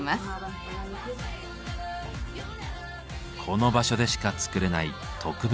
この場所でしか作れない特別なラグ。